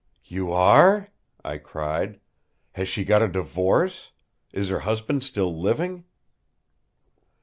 "You are?" I cried. "Has she got a divorce? Is her husband still living?"